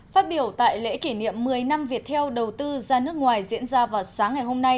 phát biểu tại lễ kỷ niệm một mươi năm việt theo đầu tư ra nước ngoài diễn ra vào sáng ngày hôm nay